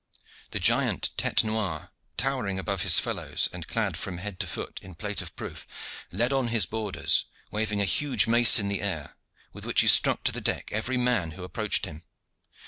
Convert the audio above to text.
The giant Tete noire, towering above his fellows and clad from head to foot in plate of proof, led on his boarders, waving a huge mace in the air, with which he struck to the deck every man who approached him.